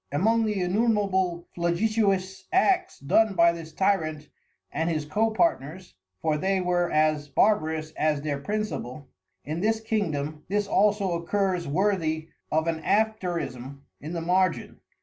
Among the Innumerable Flagitious Acts done by this Tyrant and his Co partners (for they were as Barbarous as their Principal) in this Kingdom, this also occurs worthy of an Afterism in the Margin.